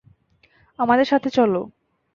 আমাদের সাথে চল।